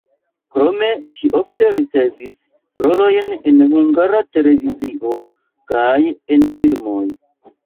Krome ŝi ofte ricevis rolojn en Hungara Televizio kaj en filmoj.